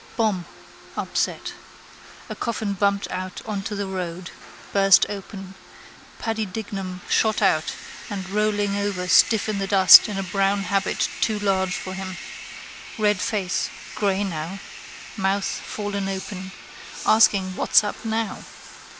Bom! Upset. A coffin bumped out on to the road. Burst open. Paddy Dignam shot out and rolling over stiff in the dust in a brown habit too large for him. Red face: grey now. Mouth fallen open. Asking what's up now.